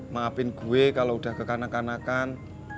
maafin gue kalau udah kekanak kanakan